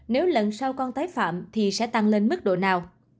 nếu lần sau con tái phạm thì sẽ tăng lên mức độ nào